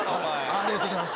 ありがとうございます。